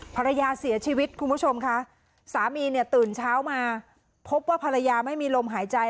ภรรยาเสียชีวิตคุณผู้ชมค่ะสามีเนี่ยตื่นเช้ามาพบว่าภรรยาไม่มีลมหายใจ